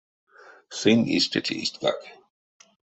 Сынь истя тейстькак.